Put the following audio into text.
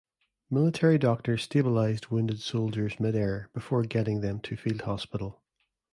Military doctors stabilized wounded soldiers midair, before getting them to field hospital.